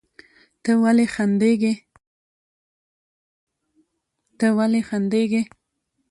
ته ولې خندېږې؟